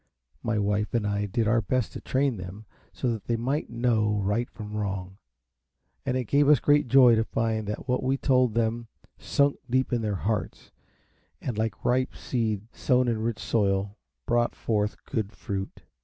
My wife and I did our best to train them, so that they might know right from wrong; and it gave us great joy to find that what we told them sunk deep in their hearts, and, like ripe seed sown in rich soil, brought forth good fruit.